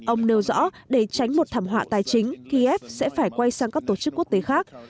ông nêu rõ để tránh một thảm họa tài chính kiev sẽ phải quay sang các tổ chức quốc tế khác